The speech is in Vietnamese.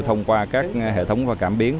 thông qua các hệ thống và cảm biến